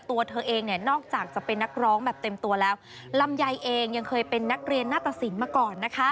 ตัวเธอเองเนี่ยนอกจากจะเป็นนักร้องแบบเต็มตัวแล้วลำไยเองยังเคยเป็นนักเรียนหน้าตสินมาก่อนนะคะ